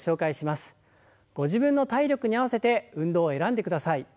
ご自分の体力に合わせて運動を選んでください。